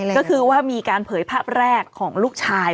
ก็คือว่ามีการเผยภาพแรกของลูกชาย